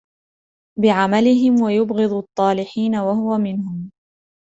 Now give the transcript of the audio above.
بِعَمَلِهِمْ ، وَيُبْغِضُ الطَّالِحِينَ وَهُوَ مِنْهُمْ